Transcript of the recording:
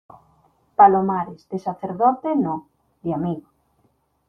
palomares, de sacerdote , no , de amigo.